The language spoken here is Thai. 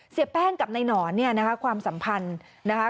เสียแป้งกับนายหนอนความสัมพันธ์นะคะ